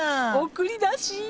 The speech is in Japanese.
送り出し。